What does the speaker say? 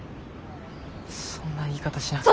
そんな言い方しなくても。